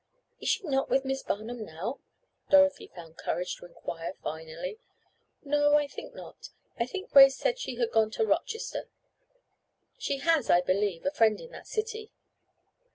"Is she not with Miss Barnum now?" Dorothy found courage to inquire finally. "No, I think not. I think Grace said she had gone to Rochester. She has, I believe, a friend in that city."